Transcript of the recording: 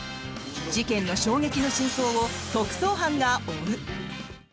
事件の衝撃の真相を特捜班が追う！